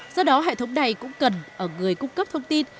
do đó hệ thống này cũng cần ở người cung cấp thông tin